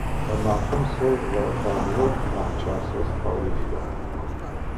Мы мафэм сэ, зэрэхабзэу, нахь кӏасэу сыкъэущы.